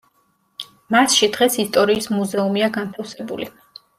მასში დღეს ისტორიის მუზეუმია განთავსებული.